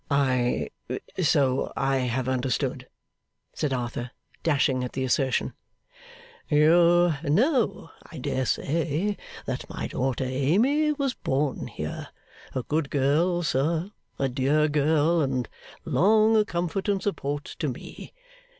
'I so I have understood,' said Arthur, dashing at the assertion. 'You know, I dare say, that my daughter Amy was born here. A good girl, sir, a dear girl, and long a comfort and support to me.